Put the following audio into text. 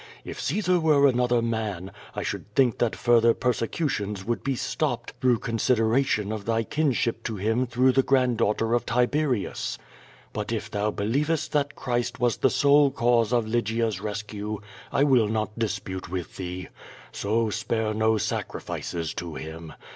If Caesar were anotlier man, I should think that further persecutions would be stopped through consideration of thy kinship to him through the granddaughter of Tiberius. But if thou be liovest that Christ was the sole cause of Lygia's rescue, I will not dispute with thee. So, spare no sacrifices to Him.